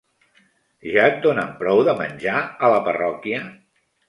¿Ja et donen prou de menjar, a la parròquia?